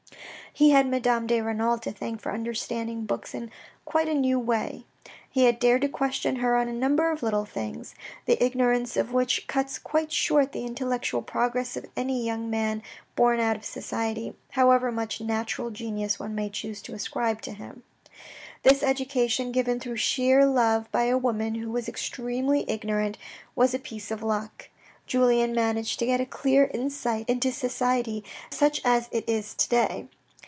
He had Madame de Renal to thank for understanding books in quite a new way. He had dared to question her on a number of little things, the ignorance of which cuts quite short the intellectual progress of any young man born out of society, however much natural genius one may choose to ascribe to him. This education given through sheer love by a woman who was extremely ignorant, was a piece of luck. Julien managed to get a clear insight into society such as it is to day.